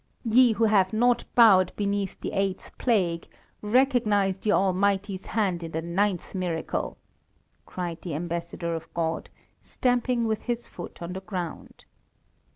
"Ye who have not bowed beneath the eighth plague, recognize the Almighty's hand in the ninth miracle!" cried the ambassador of God, stamping with his foot on the ground.